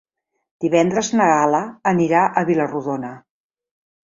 Divendres na Gal·la anirà a Vila-rodona.